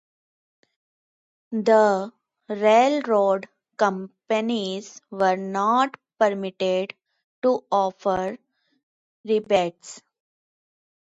The railroad companies were not permitted to offer rebates.